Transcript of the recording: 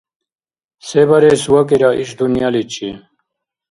Се барес вакӏира иш дунъяличи?